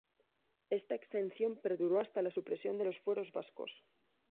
Esta exención perduró hasta la supresión de los fueros vascos.